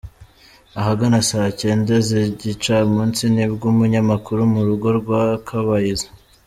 Ahagana saa cyenda z’igicamunsi nibwo umunyamakuru mu rugo rwa Kabayiza.